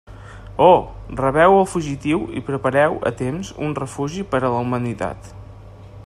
Oh!, rebeu el fugitiu i prepareu a temps un refugi per a la humanitat.